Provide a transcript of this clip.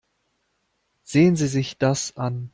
Sehen Sie sich das an.